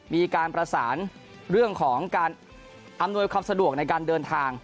มีการประสานเรื่องของการอำนวยความสะดวกในการเดินทาง